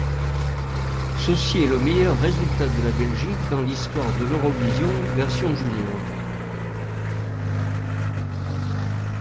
Ceci est le meilleur résultat de la Belgique dans l'histoire de l'Eurovision version junior.